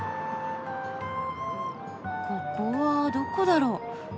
ここはどこだろう？